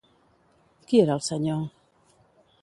Qui era el senyor?